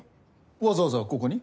わざわざここに？